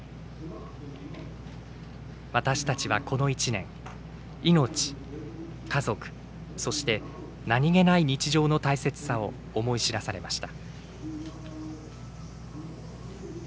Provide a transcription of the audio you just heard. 私たちはこの一年、命、家族そして、何気ない日常の大切さを思い知らされました。